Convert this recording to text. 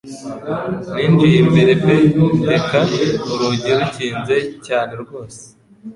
Ninjiye imbere pe ndeka urugi rukinze cyane rwose